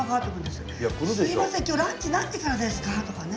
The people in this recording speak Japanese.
「すいません今日ランチ何時からですか？」とかね。